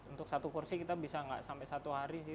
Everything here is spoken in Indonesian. untuk satu kursi kita bisa nggak sampai satu hari sih